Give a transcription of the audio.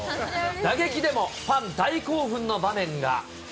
打撃でもファン大興奮の場面が。